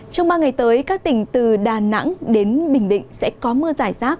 trong ba ngày tới các tỉnh từ đà nẵng đến bình định sẽ có mưa giải rác